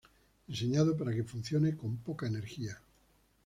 Diseñado para que funcione con poca energía.